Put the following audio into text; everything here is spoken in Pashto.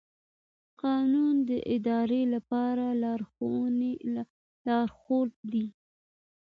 قانون د ادارې لپاره لارښود دی.